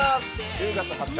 １０月２０日